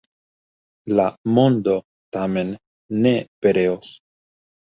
La mondo tamen ne pereos.